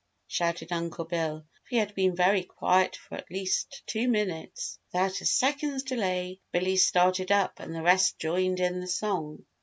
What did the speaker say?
shouted Uncle Bill, for he had been very quiet for at least two minutes. Without a second's delay, Billy started up and the rest joined in the song.